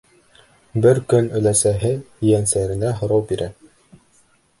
Бер көн өләсәһе ейәнсәренә һорау бирә: